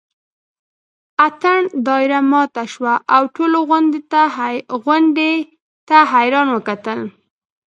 اتڼ دایره ماته شوه او ټولو غونډۍ ته حیران وکتل.